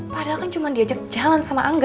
padahal kan cuma diajak jalan sama angga